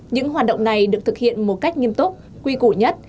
những hoạt động này được thực hiện một cách nghiêm túc quy củ nhất